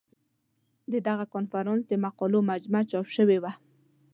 د دغه کنفرانس د مقالو مجموعه چاپ شوې وه.